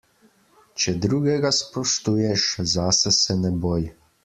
Če drugega spoštuješ, zase se ne boj.